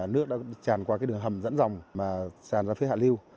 nước đã tràn qua đường hầm dẫn dòng mà tràn ra phía hạ liu